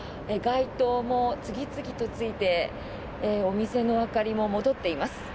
街灯も次々とついてお店の明かりも戻っています。